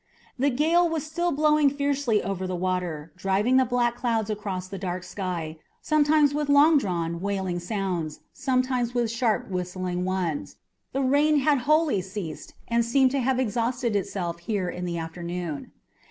The gale was still blowing fiercely over the water, driving the black clouds across the dark sky, sometimes with long drawn, wailing sounds, sometimes with sharp, whistling ones. The rain had wholly ceased, and seemed to have exhausted itself here in the afternoon.